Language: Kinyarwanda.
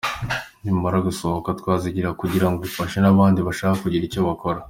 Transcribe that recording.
Nimara gusohoka tuzayibasangiza kugira ngo ifashe n’abandi bashaka kugira icyo bakora.